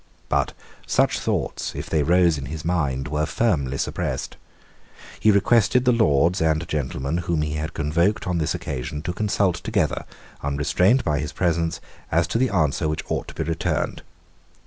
But such thoughts, if they rose in his mind, were firmly suppressed. He requested the Lords and gentlemen whom he had convoked on this occasion to consult together, unrestrained by his presence, as to the answer which ought to be returned.